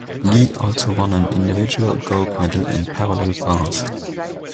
Li also won an individual gold medal in parallel bars.